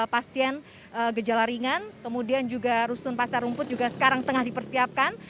pasien gejala ringan kemudian juga rusun pasar rumput juga sekarang tengah dipersiapkan